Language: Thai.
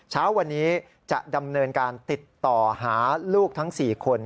เช้าวันนี้จะดำเนินการติดต่อหาลูกทั้ง๔คน